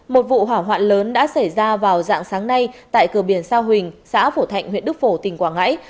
một vụ hỏa hoạn lớn đã xảy ra vào dạng sáng nay tại cửa biển sa huỳnh xã phổ thạnh huyện đức phổ tỉnh quảng ngãi